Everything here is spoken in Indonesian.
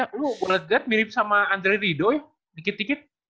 lo buatan gerd mirip sama andre ridho ya dikit dikit